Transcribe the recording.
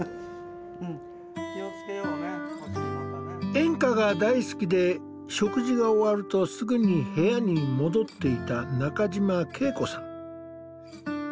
演歌が大好きで食事が終わるとすぐに部屋に戻っていた中嶋圭子さん。